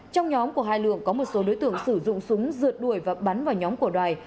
trong nhóm của hai lượng có một số đối tượng sử dụng súng rượt đuổi và bắn vào nhóm của đoài